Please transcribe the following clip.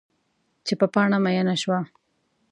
چې په پاڼه میینه شوه